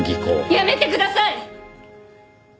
やめてください！